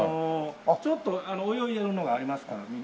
ちょっと泳いでるのがありますから。